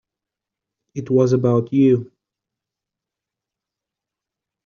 It was about you.